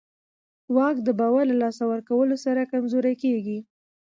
واک د باور له لاسه ورکولو سره کمزوری کېږي.